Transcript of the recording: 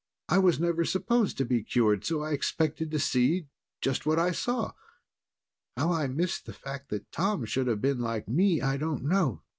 I was never supposed to be cured, so I expected to see just what I saw. How I missed the fact that Tom should have been like me, I don't know.